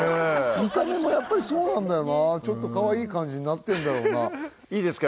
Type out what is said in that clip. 見た目もやっぱりそうなんだよなちょっとかわいい感じになってんだろうないいですか？